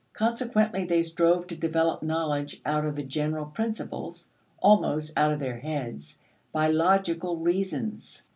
Consequently they strove to develop knowledge out of general principles almost out of their heads by logical reasons.